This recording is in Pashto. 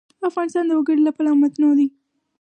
افغانستان د وګړي له پلوه متنوع دی.